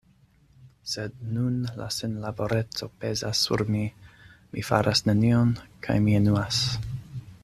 Sed nun la senlaboreco pezas sur mi: mi faras nenion, kaj mi enuas.